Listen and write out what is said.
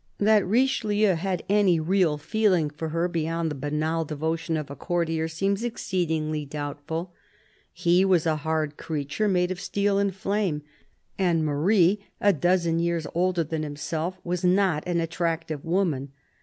That Richelieu had any real feeling for her beyond the banal devotion of a courtier seems exceedingly doubtful. He was a hard creature, made of steel and flame, and Marie, a dozen years older than himself, was not an attractive woman.